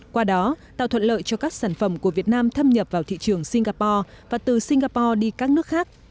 qua đó tạo thuận lợi cho các sản phẩm của việt nam thâm nhập vào thị trường singapore và từ singapore đi các nước khác